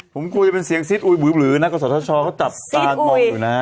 ผมกูจะเป็นเสียงซิดอุ้ยบลื้อนะก็สวทชก็จับตาดมองอยู่นะ